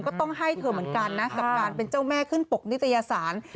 ก็ต้องให้เธอเหมือนกันนะกับการเป็นเจ้าแม่ขึ้นปกนิตยสาร